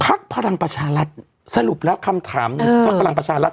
พักพลังปัชฌาลัทธ์สรุปแล้วคำถามพักพลังปัชฌาลัทธ์